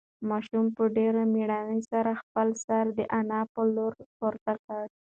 ماشوم په ډېرې مېړانې سره خپل سر د انا په لور پورته کړ.